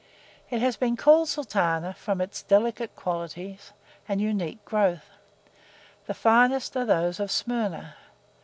It has been called Sultana from its delicate qualities and unique growth: the finest are those of Smyrna.